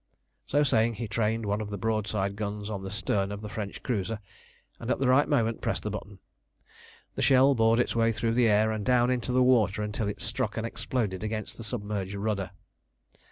So saying he trained one of the broadside guns on the stern of the French cruiser, and at the right moment pressed the button. The shell bored its way through the air and down into the water until it struck and exploded against the submerged rudder.